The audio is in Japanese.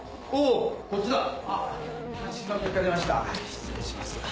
失礼します。